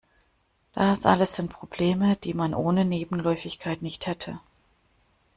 Das alles sind Probleme, die man ohne Nebenläufigkeit nicht hätte.